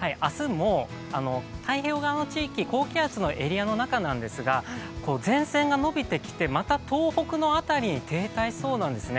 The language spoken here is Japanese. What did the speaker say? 明日も太平洋側の地域、高気圧のエリアの中なんですが前線がのびてきて、また東北の辺りに停滞しそうなんですね。